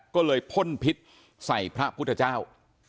ก็เลยพ่นพิษใส่พระพุทธเจ้า